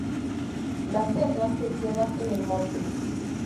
Las hembras se quedan en el monte.